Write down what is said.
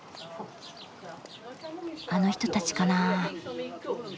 あの人たちかな？